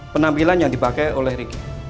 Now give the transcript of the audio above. penampilan yang dipakai oleh ricky